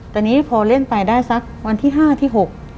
ตอนนี้พอเล่นไปได้สักวันที่๕ที่๖